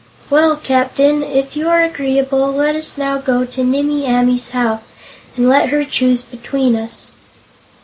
'" "Well, Captain, if you are agreeable, let us now go to Nimmie Amee's house and let her choose between us."